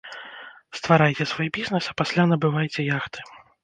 Стварайце свой бізнэс, а пасля набывайце яхты!